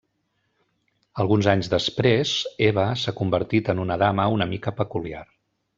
Alguns anys després, Eva s'ha convertit en una dama una mica peculiar.